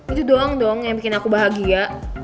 itu doang dong yang bikin aku bahagia